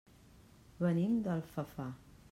Venim d'Alfafar.